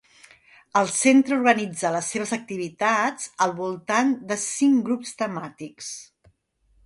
El Centre organitza les seves activitats al voltant de cinc grups temàtics.